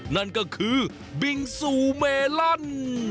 นั่นก็คือบิงซูเมลอน